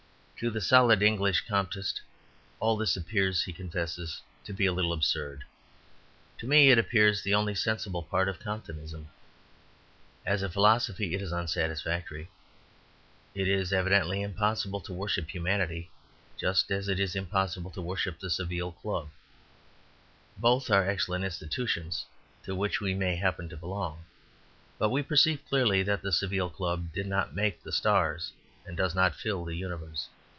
To the solid English Comtist all this appears, he confesses, to be a little absurd. To me it appears the only sensible part of Comtism. As a philosophy it is unsatisfactory. It is evidently impossible to worship humanity, just as it is impossible to worship the Savile Club; both are excellent institutions to which we may happen to belong. But we perceive clearly that the Savile Club did not make the stars and does not fill the universe.